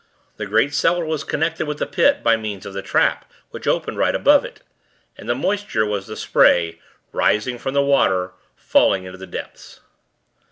The great cellar was connected with the Pit, by means of the trap, which opened right above it; and the moisture, was the spray, rising from the water, falling into the depths.